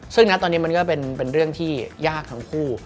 ซึ่งนะตอนนี้มันก็เป็นเรื่องที่ยากทั้งคู่